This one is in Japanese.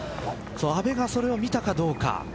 阿部がそれを見たかどうか。